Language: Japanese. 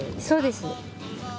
そうです。